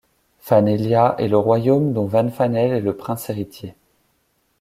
Fanelia est le royaume dont Van Fanel est le prince héritier.